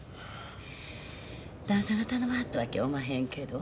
旦さんが頼まはったわけやおまへんけど。